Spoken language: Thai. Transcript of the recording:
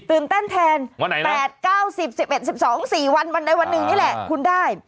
ตื่นเต้นแทนวันไหนนะ๘๙๑๐๑๑๑๒๔วันในวันหนึ่งนี่แหละคุณได้